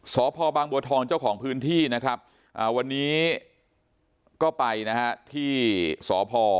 สพบางบัวทองเจ้าของพื้นที่นะครับวันนี้ก็ไปนะฮะที่สพ